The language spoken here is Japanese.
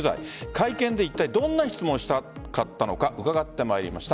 会見で、いったいどんな質問をしたかったのか伺ってまいりました。